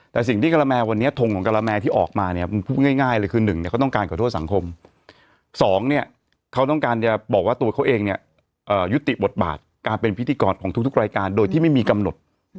แต่สิ่งที่กะละแมวันนี้ทงของกะละแมที่ออกมาเนี่ยพูดง่ายเลยคือ๑เนี่ยเขาต้องการขอโทษสังคมสองเนี่ยเขาต้องการจะบอกว่าตัวเขาเองเนี่ยยุติบทบาทการเป็นพิธีกรของทุกรายการโดยที่ไม่มีกำหนด